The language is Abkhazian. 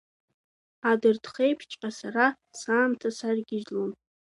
Адырдхеиԥшҵәҟьа сара саамҭа саргьежьлон.